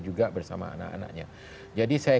juga bersama anak anaknya jadi saya